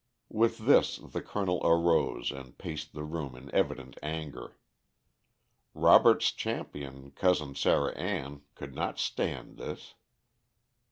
With this the Colonel arose and paced the room in evident anger. Robert's champion, Cousin Sarah Ann, could not stand this.